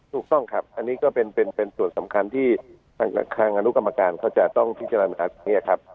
ถูกต้องครับอันนี้ก็เป็นส่วนสำคัญที่ทางอนุกรรมการเขาจะต้องพิจารณาตรงนี้ครับ